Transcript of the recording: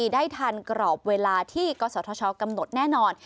ได้ทันกรอบเวลาที่กศธชกำหนดแน่นอน